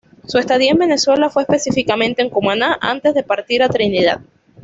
Su estadía en Venezuela fue específicamente en Cumaná antes de partir a Trinidad.